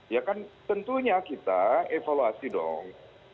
ya kan tentunya kita evaluasi dong